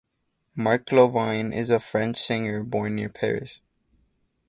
Marc Lavoine is a French singer born near Paris.